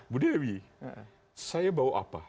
bu dewi saya bawa apa